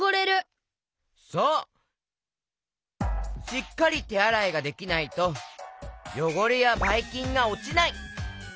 しっかりてあらいができないとよごれやバイキンがおちない！